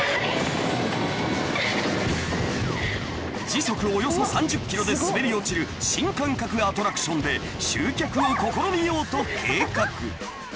［時速およそ３０キロで滑り落ちる新感覚アトラクションで集客を試みようと計画］